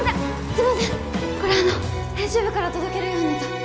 これあの編集部から届けるようにと